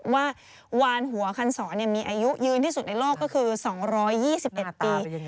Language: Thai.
ว่าวานหัวคันศรมีอายุยืนที่สุดในโลกก็คือ๒๒๑ปี